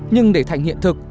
nhưng để thành hiện thực